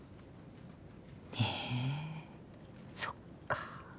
へえそっか。